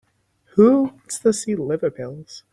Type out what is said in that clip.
Who wants to see liver pills?